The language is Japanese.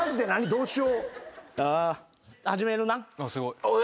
どうしよう？